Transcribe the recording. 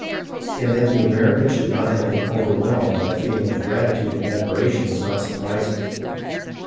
And that the Americans should not have been overwhelmed by a feeling of gratitude and admiration was not surprising.